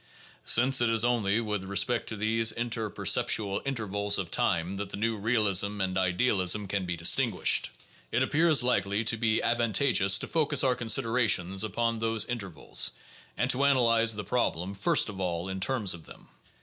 Since it is only with respect to these interperceptual intervals of time that the new realism and idealism can be distinguished, it ap PSYCHOLOGY AND SCIENTIFIC METHODS 591 pears likely to be advantageous to focus our consideration upon those intervals and to analyze the problem first of all in terms of them.